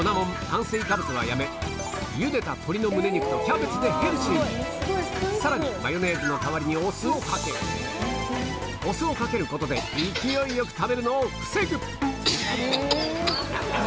炭水化物はやめゆでたでヘルシーにさらにマヨネーズの代わりにお酢をかけお酢をかけることで勢いよく食べるのを防ぐ！